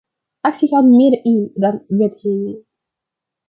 Actie houdt meer in dan wetgeving.